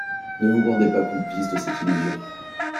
Ne vous rendez pas complice de cette illusion.